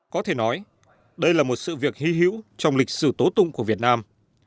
có thể nói đây là một sự việc hy hữu trong lịch sử tố tụng của việt nam